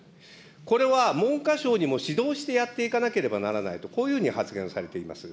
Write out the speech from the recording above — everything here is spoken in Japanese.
これは文科省にも指導してやっていかなければならないと、こういうふうに発言されています。